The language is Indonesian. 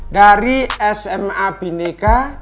dari sma bineka